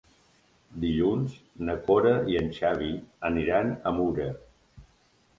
Dilluns na Cora i en Xavi aniran a Mura.